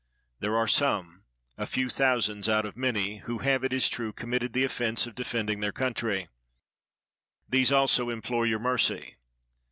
There are some, a few thousands out of many, who have, it is true, committed the offense of defending their country; these also implore your mercy.